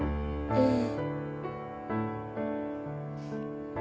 うん。